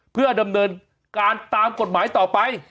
เพื่อดำเนินการตามกฎหมายต่อไป